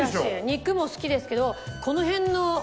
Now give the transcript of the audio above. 肉も好きですけどこの辺の。